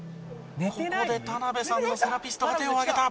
ここで田辺さんのセラピストが手を挙げた。